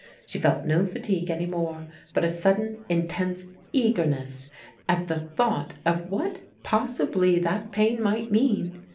She felt no fatigue any more, but a sudden intense eagerness at the thought of what possibly that pain might mean.